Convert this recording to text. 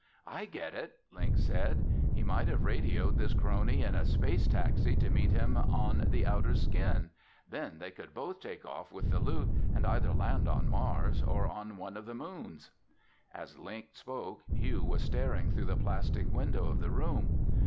"I get it!" Link said. "He might have radioed this crony in a space taxi to meet him on the outer skin. Then they could both take off with the loot and either land on Mars or on one of the moons!" As Link spoke, Hugh was staring through the plastic window of the room.